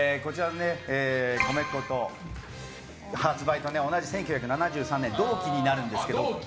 コメッコ発売と同じ１９７３年同期になるんですけど